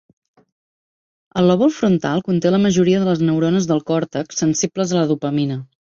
El lòbul frontal conté la majoria de les neurones del còrtex sensibles a la dopamina.